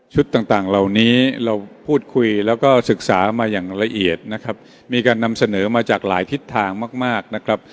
ต่างต่างเหล่านี้เราพูดคุยแล้วก็ศึกษามาอย่างละเอียดนะครับมีการนำเสนอมาจากหลายทิศทางมากมากนะครับ